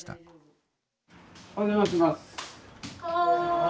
お邪魔します。